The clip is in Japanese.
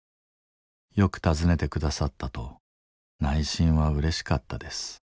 よくたずねて下さったと内心はうれしかったです」。